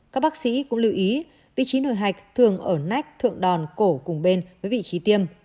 các bác sĩ cũng lưu ý vị trí nổi hạch thường ở nách thượng đòn cổ cùng bên với vị trí tiêm